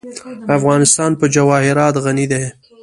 افغانستان په جواهرات غني دی.